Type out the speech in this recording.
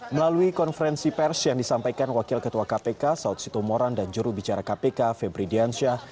melalui konferensi pers yang disampaikan wakil ketua kpk saud sito moran dan juru bicara kpk febri diansyah